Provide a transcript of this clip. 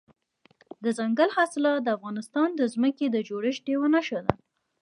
دځنګل حاصلات د افغانستان د ځمکې د جوړښت یوه نښه ده.